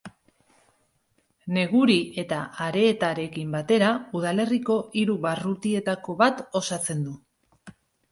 Neguri eta Areetarekin batera, udalerriko hiru barrutietako bat osatzen du.